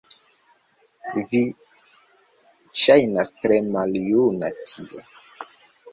Vi ŝajnas tre maljuna tie